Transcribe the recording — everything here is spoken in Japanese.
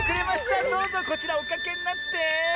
どうぞこちらおかけになって。